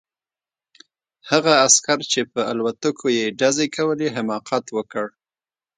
هغه عسکر چې په الوتکو یې ډزې کولې حماقت وکړ